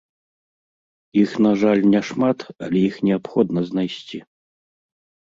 Іх, на жаль, няшмат, але іх неабходна знайсці.